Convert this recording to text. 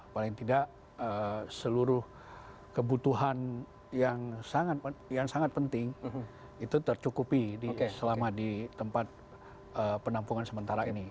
paling tidak seluruh kebutuhan yang sangat penting itu tercukupi selama di tempat penampungan sementara ini